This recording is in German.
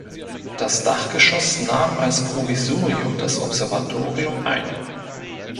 Das Dachgeschoss nahm als Provisorium das Observatorium ein.